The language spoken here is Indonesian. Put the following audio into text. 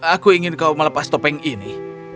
aku ingin kau melepas topeng ini